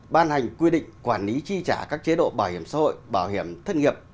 ban hành quy định quản lý chi trả các chế độ bảo hiểm xã hội bảo hiểm thất nghiệp